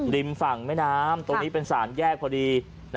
ริมฝั่งแม่น้ำตรงนี้เป็น๓แยกพอดี